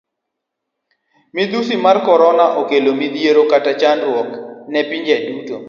Midhusi mag korona okelo midhiero kata chandruok ne pinje duto.